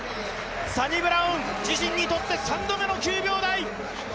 サニブラウン、自身にとって３度目の９秒台。